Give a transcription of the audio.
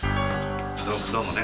どうもね。